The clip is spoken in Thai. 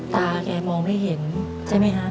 ตาแกมองไม่เห็นใช่มั้ยครับ